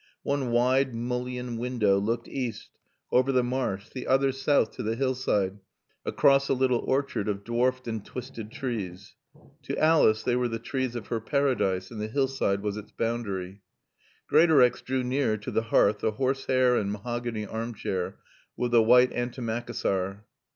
One wide mullioned window looked east over the marsh, the other south to the hillside across a little orchard of dwarfed and twisted trees. To Alice they were the trees of her Paradise and the hillside was its boundary. Greatorex drew close to the hearth the horsehair and mahogany armchair with the white antimacassar.